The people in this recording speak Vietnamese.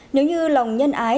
nếu như lòng nhân ái